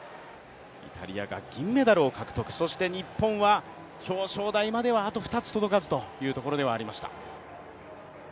イタリアが銀メダルを獲得そして日本は表彰台までは、あと２つ届かずというところではありました。